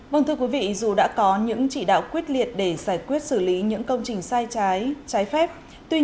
vâng thưa quý vị dù đã có những chỉ đạo quyết liệt để giải quyết xử lý những công trình xây dựng